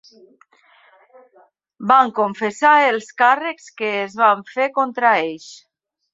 Van confessar els càrrecs que es van fer contra ells.